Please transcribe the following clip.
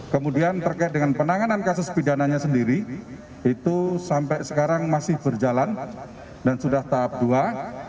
kemudian terkait dengan penanganan kasus pidananya sendiri itu sampai sekarang masih berjalan dan sudah tahap dua